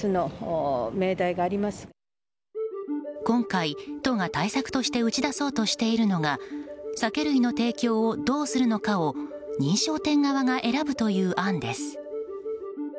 今回、都が対策として打ち出そうとしているのが酒類の提供をどうするのかを認証店側が選ぶという案です。